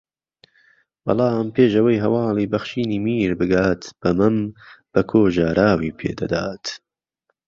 بەڵام پێش ئەوەی ھەواڵی بەخشینی میر بگات بە مەم بەکۆ ژارئاوی پێدەدات